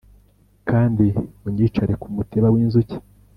kandi unyicare ku mutiba w'inzuki,